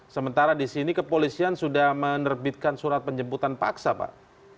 sementara di sini kepolisian sudah menerbitkan surat penjemputan paksa pak